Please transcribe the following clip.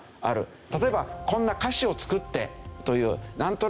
例えば「こんな歌詞を作って」というなんとなくこうね。